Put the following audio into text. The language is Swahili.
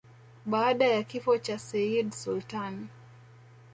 Baada ya kifo cha Sayyid Sultan